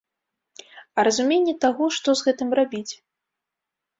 А разуменне таго, што з гэтым рабіць?